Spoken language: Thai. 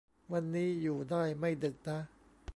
วันนี้อยู่ได้ไม่ดึกนะ